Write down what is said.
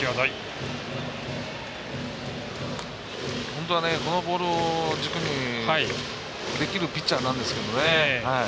本当は、このボールを軸にできるピッチャーなんですけどね。